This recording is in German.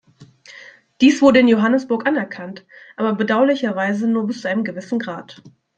Dies wurde in Johannesburg anerkannt, aber bedauerlicherweise nur bis zu einem gewissen Grad.